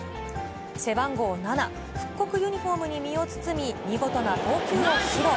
背番号７、復刻ユニホームに身を包み、見事な投球を披露。